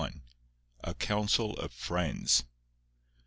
A COUNCIL OF FRIENDS.